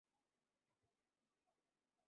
چڑھتا سورج ہی سب کچھ مانا جاتا ہے۔